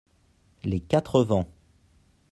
Les quatres vents.